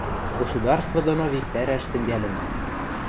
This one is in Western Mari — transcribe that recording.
Государство доно виктӓрӓш тӹнгӓлӹнӓ...